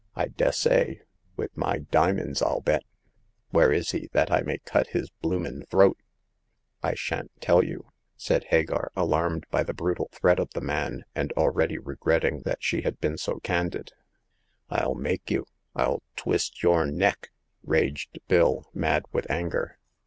"" I dessay ! With my dimins, I'll bet. Where is he, that I may cut his bloomin' throat !"I shan't tell you," said Hagar^ alacmadb^ tbi^ 190 Hagar of the Pawn Shop. brutal threat of the man, and already regretting that she had been so candid. rU make you ! Ill twist your neck !raged Bill, mad with anger.